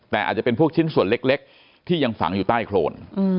แต่อาจจะเป็นพวกชิ้นส่วนเล็กที่ยังฝังอยู่ใต้โครน